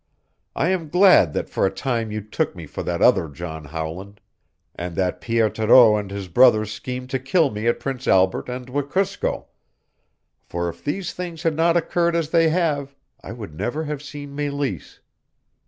"I am glad that for a time you took me for that other John Howland, and that Pierre Thoreau and his brothers schemed to kill me at Prince Albert and Wekusko, for if these things had not occurred as they have I would never have seen Meleese.